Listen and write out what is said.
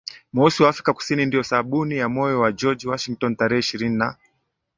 mweusi wa Afrika Kusini ndio sabuni ya moyo wakeGeorge Washington tarehe ishirini na